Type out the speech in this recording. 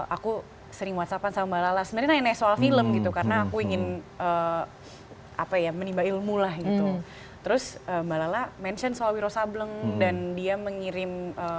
aku sering whatsappan sama mbak lala sebenarnya nanya nanya soal film gitu karena aku ingin apa ya menimba ilmu lah gitu terus mbak lala mention soal wiro sableng dan dia mengirim